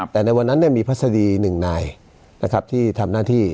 แต่ในวันนั้นเนี่ยมีพัฒนี๑นายนะครับที่ทำหน้าที่